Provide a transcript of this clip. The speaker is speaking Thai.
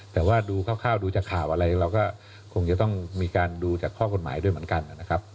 แต่ว่าดูคร่าวดูจากข่าวอะไรเราก็คงจะต้องมีการดูจากข้อกฎหมายด้วยเหมือนกันนะครับ